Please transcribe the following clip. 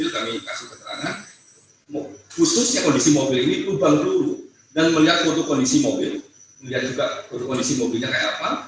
khususnya kondisi mobil ini lubang dulu dan melihat kondisi mobil juga kondisi mobilnya